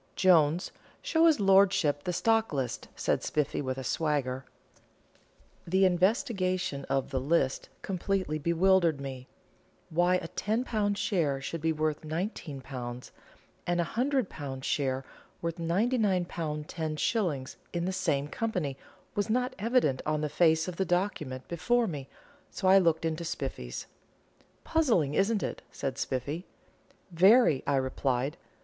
"Jones, show his lordship the stock list," said Spiffy, with a swagger. The investigation of the "list" completely bewildered me. Why a £10 share should be worth £19, and a £100 share worth £99, 10s., in the same company, was not evident on the face of the document before me, so I looked into Spiffy's. "Puzzling, isn't it?" said Spiffy. "Very," I replied.